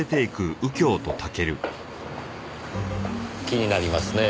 気になりますね。